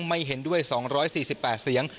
ไม่เห็นด้วย๒๔๘เสียง